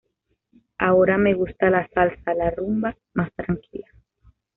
Ahora me gusta la salsa, la rumba más tranquila.